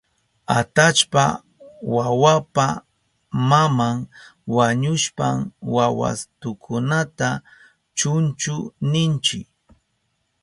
Atallpa wawapa maman wañushpan wawastukunata chunchu ninchi.